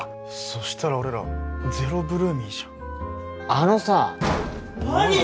そしたら俺らゼロ８ＬＯＯＭＹじゃんあのさ何？